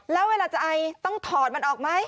แล้วเวลาจะไอต้องถอดมันออกไหม